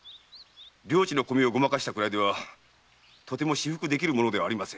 領地の米をごまかしたくらいではとても私腹できるものでは。